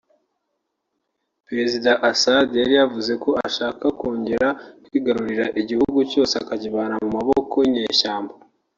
perezida Assad yari yavuze ko ashaka kongera kwigarurira “igihugu cyose” akakivana mu maboko y’inyeshyamba